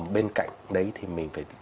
bên cạnh đấy thì mình phải